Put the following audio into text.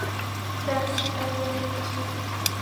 যা খুশিঁ তাই বলে যাচ্ছ।